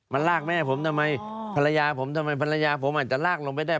มันลากแม่ผมทำไมภรรยาผมทำไมภรรยาผมอาจจะลากลงไปได้